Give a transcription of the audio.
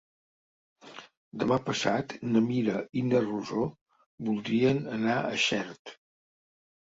Demà passat na Mira i na Rosó voldrien anar a Xert.